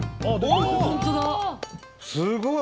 すごい！